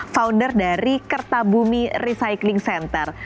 founder dari kerta bumi recycling center